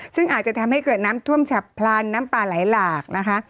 ซึ่งอาจจะทำให้เกิดน้ำท่วมฉับพลันน้ำปลาไหลหลากนะคะ